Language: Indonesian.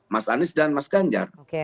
mas anies dan mas ganjar